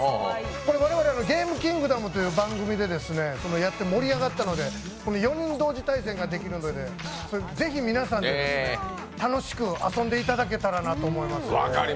我々、「ゲームキングダム」という番組でやって盛り上がったので４人同時対戦ができるのでぜひ皆さんで楽しく遊んでいただけたらなと思います。